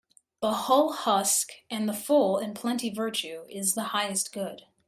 The hull husk and the full in plenty Virtue is the highest good.